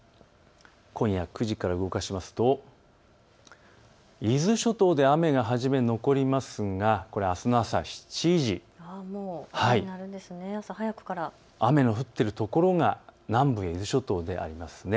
今夜９時から動かしますと伊豆諸島で雨が初め残りますがこれはあすの朝７時、雨の降っているところが南部の伊豆諸島であります。